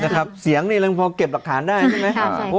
สีนะครับเสียงนี่มันพอเก็บหลักฐานได้ใช่ไหมใช่ค่ะ